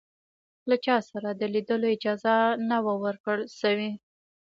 له چا سره د لیدلو اجازه نه وه ورکړل شوې.